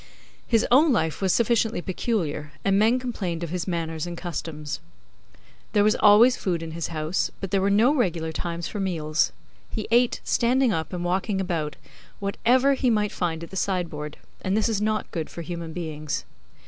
His own life was sufficiently peculiar, and men complained of his manners and customs. There was always food in his house, but there were no regular times for meals. He ate, standing up and walking about, whatever he might find at the sideboard, and this is not good for human beings.